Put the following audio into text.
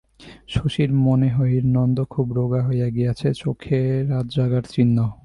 শশীর মনে হইর, নন্দ খুব রোগা হইয়া গিয়াছে, চোখে রাতজাগার চিহ্ন।